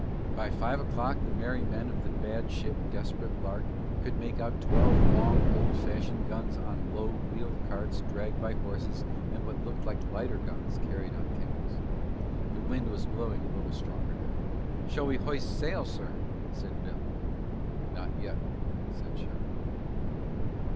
By five o'clock the merry men of the bad ship Desperate Lark could make out twelve long old fashioned guns on low wheeled carts dragged by horses and what looked like lighter guns carried on camels. The wind was blowing a little stronger now. "Shall we hoist sail, sir?" said Bill. "Not yet," said Shard.